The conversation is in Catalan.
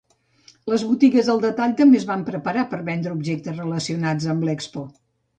Les botigues al detall també es van preparar per vendre objectes relacionats amb l'Expo.